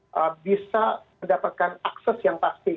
ketika dia mendapatkan minyak goreng